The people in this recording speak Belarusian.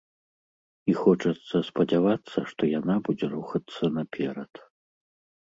І хочацца спадзявацца, што яна будзе рухацца наперад.